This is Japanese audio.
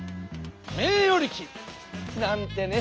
名与力！」なんてね。